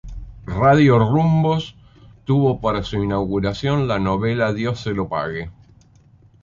Radio Rumbos tuvo para su inauguración la novela "¡Dios se lo pague!